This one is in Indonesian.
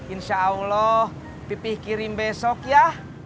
insya allah pipih kirim besok ya